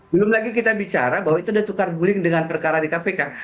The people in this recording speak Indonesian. belum lagi kita bicara bahwa itu ada tukar guling dengan perkara di kpk